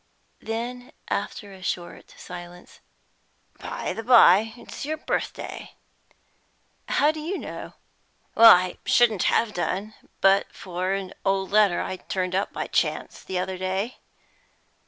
Then, after a short silence "By the by, it's your birthday." "How do you know?" "Well, I shouldn't have done, but for an old letter I turned up by chance the other day.